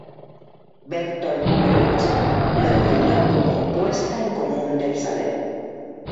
Bertolt Brecht lo definió como "puesta en común del saber".